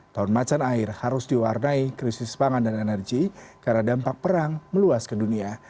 tahun macan air harus diwarnai krisis pangan dan energi karena dampak perang meluas ke dunia